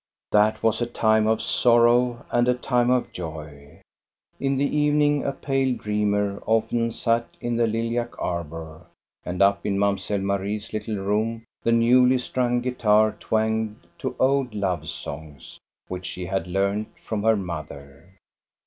That was a time of sorrow and a time of joy. In the evening a pale dreamer often sat in the lilac arbor, and up in Mamselle Marie's little room the newly strung guitar twanged to old love songs, which she had learned from her mother.